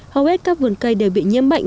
hầu hết các vườn cây đều bị nhiễm bệnh